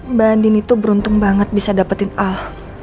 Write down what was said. mbak andin itu beruntung banget bisa dapetin ah